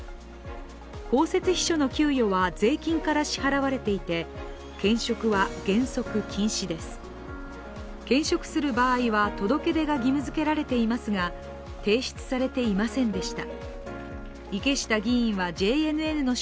公設秘書の給与は税金から支払われていて兼職は原則禁止です、兼職する場合は届け出が義務づけられていますが提出されていませんでした。